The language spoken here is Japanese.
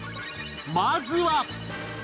まずは